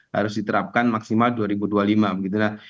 harus diterapkan maksimal dua ribu dua puluh lima begitu lah